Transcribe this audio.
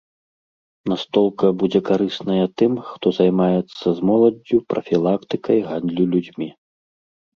Настолка будзе карысная тым, хто займаецца з моладдзю прафілактыкай гандлю людзьмі.